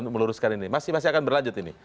masih akan berlanjut ini